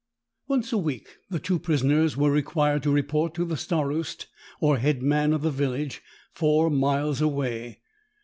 Once a week the two prisoners were required to report to the starost, or head man of the village, four miles away.